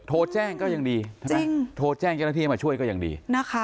โทรแจ้งก็ยังดีโทรแจ้งเจ้าหน้าที่มาช่วยก็ยังดี